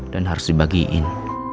dan harus dibagiin